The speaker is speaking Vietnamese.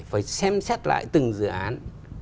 phải xem xét lại từng dự án